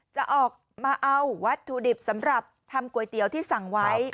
จะออกมาเอาวัตถุดิบสำหรับทำก๋วยเตี๋ยวที่สั่งไว้